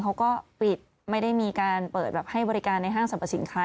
เขาก็ปิดไม่ได้มีการเปิดแบบให้บริการในห้างสรรพสินค้า